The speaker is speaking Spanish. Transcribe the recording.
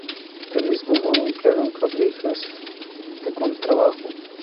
Del mismo modo, emplearon clavijas de contrabajo.